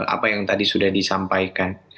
apa yang tadi sudah disampaikan